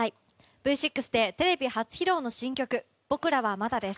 Ｖ６でテレビ初披露の新曲「僕らはまだ」です。